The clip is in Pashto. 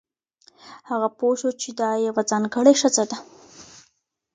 هغه پوه شو چې دا یوه ځانګړې ښځه ده.